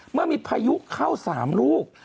เมื่อมีพายุเข้า๓ลูก